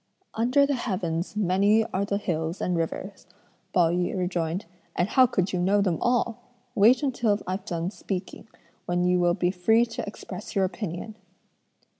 "Under the heavens many are the hills and rivers," Pao yü rejoined, "and how could you know them all? Wait until I've done speaking, when you will be free to express your opinion!"